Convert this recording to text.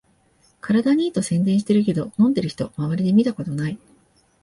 体にいいと宣伝してるけど、飲んでる人まわりで見たことない